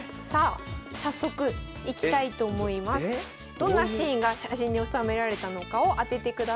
どんなシーンが写真に収められたのかを当ててください。